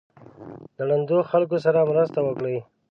د ړندو خلکو سره مرسته وکړئ.